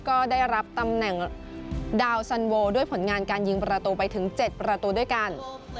ก็ได้รับตำแหน่งดาวสันโวด้วยผลงานการยิงประตูไปถึง๗ประตูด้วยกัน